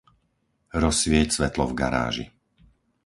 Rozsvieť svetlo v garáži.